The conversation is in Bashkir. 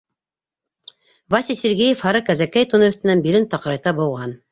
Вася Сергеев һары кәзәкей туны өҫтөнән билен таҡырайта быуған.